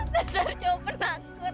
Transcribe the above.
dasar cowok menakut